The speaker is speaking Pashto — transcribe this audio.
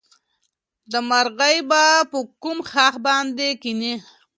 مرغۍ به په کوم ښاخ باندې کېني؟